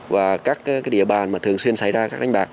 và các địa bàn mà thường xuyên xảy ra các đánh bạc